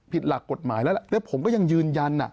หลักกฎหมายแล้วแล้วผมก็ยังยืนยัน